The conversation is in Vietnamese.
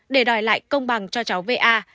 để đòi lại công bằng cho cháu va